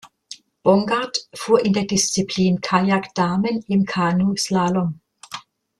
Bongardt fuhr in der Disziplin Kajak Damen im Kanuslalom.